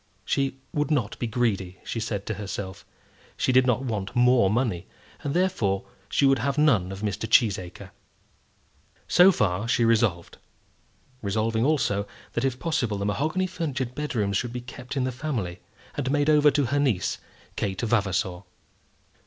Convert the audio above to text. She would not be greedy, she said to herself. She did not want more money, and therefore she would have none of Mr. Cheesacre. So far she resolved, resolving also that, if possible, the mahogany furnitured bedrooms should be kept in the family, and made over to her niece, Kate Vavasor.